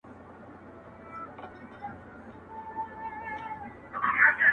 د تورو شپو سپين څراغونه مړه ســول~